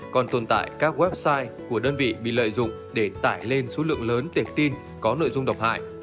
còn tồn tại các website của đơn vị bị lợi dụng để tải lên số lượng lớn tệp tin có nội dung độc hại